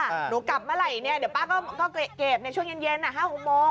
หนูกลับเมื่อไรเนี้ยเดี๋ยวป้าก็ก็เก็บในช่วงเย็นเย็นอ่ะ